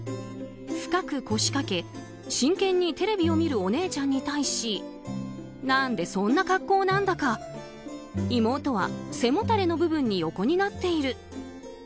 深く腰掛け、真剣にテレビを見るお姉ちゃんに対し何でそんな格好なんだか妹は背もたれの部分に横になっている。